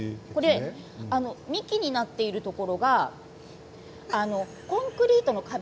幹になっているところがコンクリートの壁